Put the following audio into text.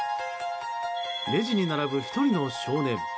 レジに並ぶ１人の少年。